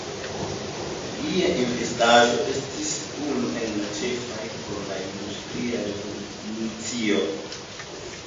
Lia inventaĵo estis unu el ĉefaj por la Industria Revolucio.